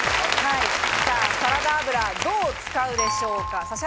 サラダ油どう使うでしょうか。